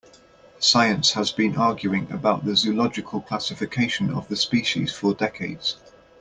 Science has been arguing about the zoological classification of the species for decades.